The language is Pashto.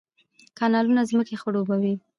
کانالونه ځمکې خړوبوي